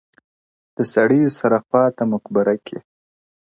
د سړیو سره خواته مقبره کي,